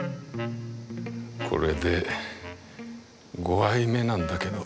これで５杯目なんだけど。